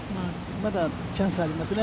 まだチャンスはありますね。